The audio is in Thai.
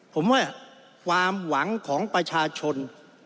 ผมว่าความหวังของประชาชน